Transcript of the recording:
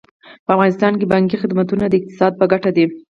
په افغانستان کې بانکي خدمتونه د اقتصاد په ګټه دي.